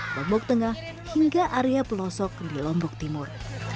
lombok tengah hingga area pelosok di lombok timur